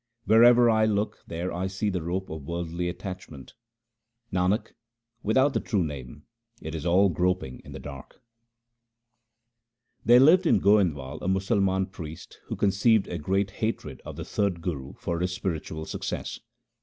Wherever I look, there I see the rope of worldly attach ment. Nanak, without the true Name it is all groping in the dark. There lived at Goindwal a Musalman priest who conceived a great hatred of the third Guru for his spiritual success.